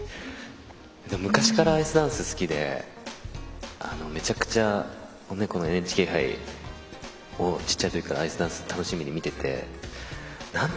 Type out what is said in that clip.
昔からアイスダンス好きでめちゃくちゃＮＨＫ杯をちっちゃい時からアイスダンス見ていて。